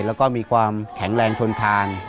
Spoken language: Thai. แล้วก็มีความแข็งแรงทนทาน